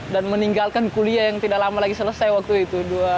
dan meninggalkan kuliah yang tidak lama lagi selesai waktu itu